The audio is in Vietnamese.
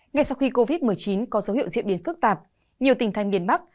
ngay sau khi covid một mươi chín có dấu hiệu diễn biến phức tạp nhiều tỉnh thành miền bắc